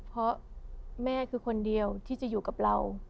เพราะแม่คือคนเดียวที่จะอยู่กับเรา